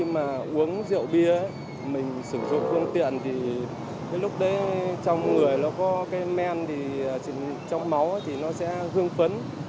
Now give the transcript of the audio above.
mà uống rượu bia mình sử dụng phương tiện thì cái lúc đấy trong người nó có cái men thì trong máu thì nó sẽ hương phấn